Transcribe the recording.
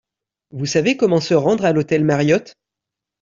Vous savez comment se rendre à l'hôtel Mariott ?